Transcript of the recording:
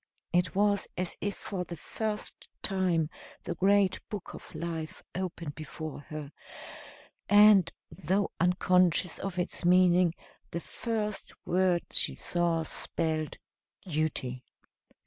It was as if for the first time the great book of life opened before her and, though unconscious of its meaning, the first word she saw spelled Duty.